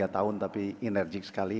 sembilan puluh tiga tahun tapi enerjik sekali